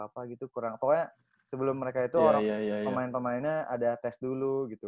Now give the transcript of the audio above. pokoknya sebelum mereka itu orang pemain pemainnya ada tes dulu gitu